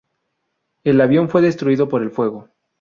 El avión fue destruido por el fuego.